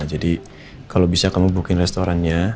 jadi kalau bisa kamu booking restorannya